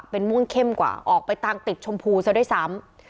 เป็นม่วงเข้มกว่าออกไปตามติดชมพูซะด้วยซ้ำ